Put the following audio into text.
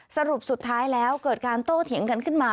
สรุปสุดท้ายแล้วเกิดการโต้เถียงกันขึ้นมา